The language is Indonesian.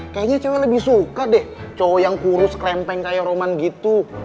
kayaknya cewek lebih suka deh cowok yang kurus klempeng kayak roman gitu